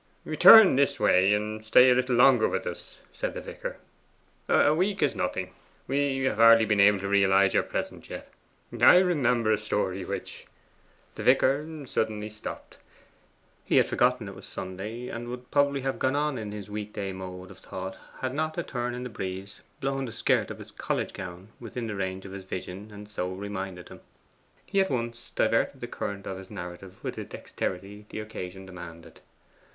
'Return this way, and stay a little longer with us,' said the vicar. 'A week is nothing. We have hardly been able to realize your presence yet. I remember a story which ' The vicar suddenly stopped. He had forgotten it was Sunday, and would probably have gone on in his week day mode of thought had not a turn in the breeze blown the skirt of his college gown within the range of his vision, and so reminded him. He at once diverted the current of his narrative with the dexterity the occasion demanded.